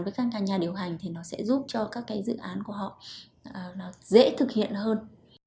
với các nhà điều hành thì nó sẽ giúp cho các cái dự án của họ dễ thực hiện hơn